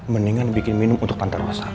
mendingan bikin minum untuk tante rosa